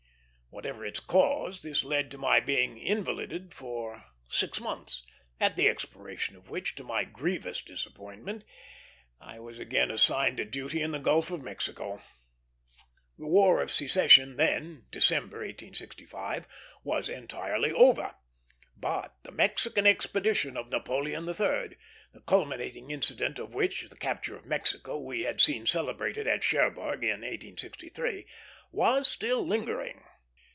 Whatever its cause, this led to my being invalided for six months, at the expiration of which, to my grievous disappointment, I was again assigned to duty in the Gulf of Mexico. The War of Secession then December, 1865 was entirely over; but the Mexican expedition of Napoleon III., the culminating incident of which, the capture of Mexico, we had seen celebrated at Cherbourg in 1863, was still lingering.